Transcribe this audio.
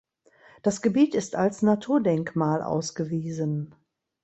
Das Gebiet ist als Naturdenkmal ausgewiesen.